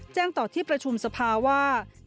แจ้งต่อที่ประชุมสภาว่า